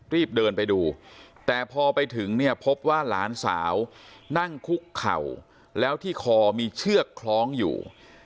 รีบเดินไปดูแต่พอไปถึงเนี่ยพบว่าหลานสาวนั่งคุกเข่าแล้วที่คอมีเชือกคล้องอยู่